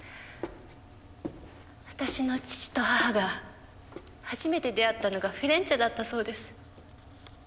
私の父と母が初めて出会ったのがフィレンチェだったそうです。